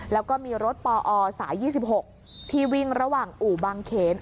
แล้วก็มีรถปอสาย๒๖ที่วิ่งระหว่างอู่บางเขน